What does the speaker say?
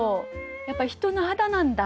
やっぱ人の肌なんだ。